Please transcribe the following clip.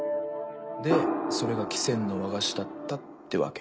でそれが喜泉の和菓子だったってわけ。